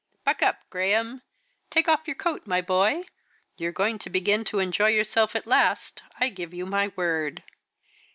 Buck up, Graham! Take off your coat, my boy! You're going to begin to enjoy yourself at last, I give you my word."